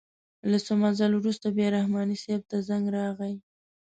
له څه مزل وروسته بیا رحماني صیب ته زنګ راغئ.